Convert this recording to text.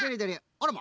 あらま！